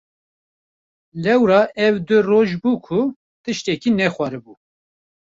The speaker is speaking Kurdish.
Lewra ev du roj bû ku tiştekî nexwaribû.